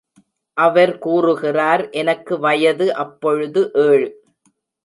அவர் கூறுகிறார் எனக்கு வயது அப்பொழுது ஏழு.